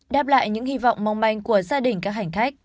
đáp lại những hy vọng mong manh của gia đình các hành khách